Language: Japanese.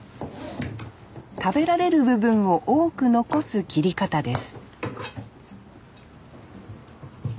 食べられる部分を多く残す切り方です